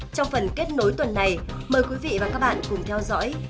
trong phần kết nối tuần này mời quý vị và các bạn cùng theo dõi